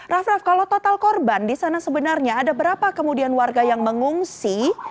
raff raff kalau total korban di sana sebenarnya ada berapa kemudian warga yang mengungsi